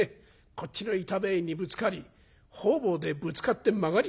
こっちの板塀にぶつかり方々でぶつかって曲がりくねってね